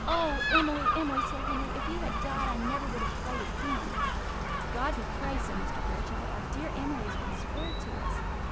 "Oh, Emily, Emily!" said Henry. "If you had died, I never would have played again." "God be praised!" said Mr. Fairchild. "Our dear Emily has been spared to us."